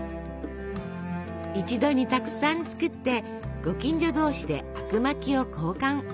一度にたくさん作ってご近所同士であくまきを交換。